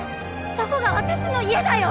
そこが私の家だよ！